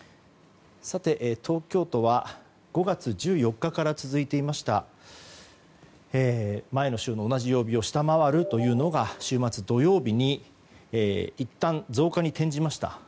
東京都は５月１４日から続いていました前の週の同じ曜日を下回るというのが週末土曜日にいったん増加に転じました。